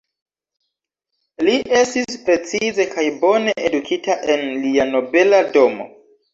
Li estis precize kaj bone edukita en lia nobela domo.